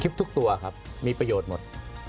ทุกตัวครับมีประโยชน์หมด